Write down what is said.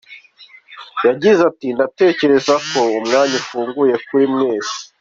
Yagize ati “Ndatekereza ko umwanya ufunguye kuri buri wese.”